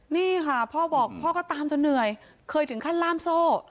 นี่ค่ะพ่อบอกพ่อก็ตามจนเหนื่อยเคยถึงขั้นล่ามโซ่